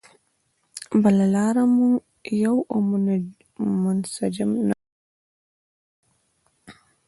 بله لار موږ یو او منسجم نه کړي.